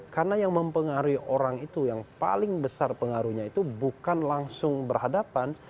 karena yang mempengaruhi orang itu yang paling besar pengaruhnya itu bukan langsung berhadapan